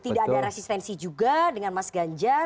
tidak ada resistensi juga dengan mas ganjar